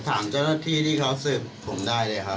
ถามเจ้าหน้าที่ที่เขาสืบผมได้เลยครับ